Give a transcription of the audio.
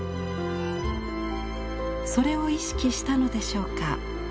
それを意識したのでしょうか。